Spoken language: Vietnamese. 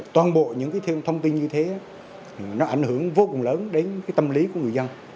toàn bộ những thông tin như thế nó ảnh hưởng vô cùng lớn đến tâm lý của người dân